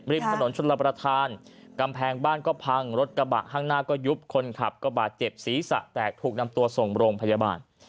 ริมถนนชนรับประทานกำแพงบ้านก็พังรถกระบะข้างหน้าก็ยุบคนขับก็บาดเจ็บศีรษะแตกถูกนำตัวส่งโรงพยาบาล